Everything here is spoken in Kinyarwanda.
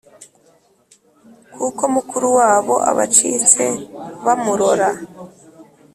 Kuko mukuru wabo Abacitse bamurora!